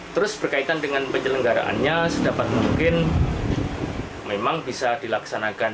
terus berkaitan dengan penyelenggaraannya sedapat mungkin memang bisa dilaksanakan